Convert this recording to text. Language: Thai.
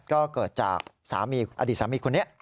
ก็เกิดจากสามีอดีตสามีคนนี้